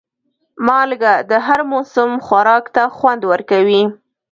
مالګه د هر موسم خوراک ته خوند ورکوي.